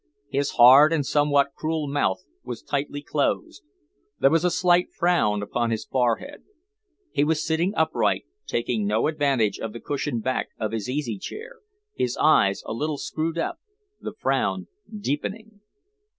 His hard and somewhat cruel mouth was tightly closed; there was a slight frown upon his forehead. He was sitting upright, taking no advantage of the cushioned back of his easy chair, his eyes a little screwed up, the frown deepening.